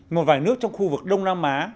một vài nước trong khu vực đông nam á